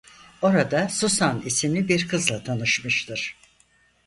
Orada Susan isimli bir kızla tanışmıştır.